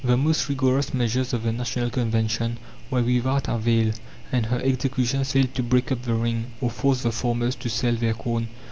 The most rigorous measures of the National Convention were without avail, and her executions failed to break up the ring, or force the farmers to sell their corn.